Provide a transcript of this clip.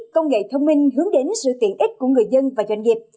công nghệ thông minh hướng đến sự tiện ích của người dân và doanh nghiệp